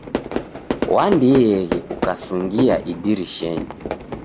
Wandieghe ukasungia idirishenyi.